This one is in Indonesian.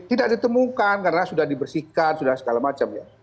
tidak ditemukan karena sudah dibersihkan sudah segala macam ya